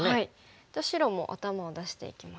じゃあ白も頭を出していきます。